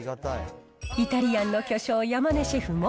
イタリアンの巨匠、山根シェフも。